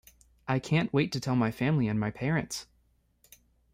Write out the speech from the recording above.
I can't wait to tell my family and my parents.